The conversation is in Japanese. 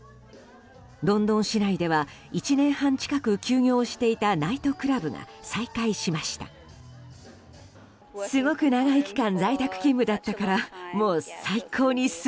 ロンドン市内では１年半近く休業していたナイトクラブが再開しました。